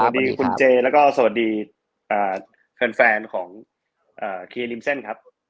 สวัสดีคุณเจแล้วก็สวัสดีแฟนของเคริมเส้นครับ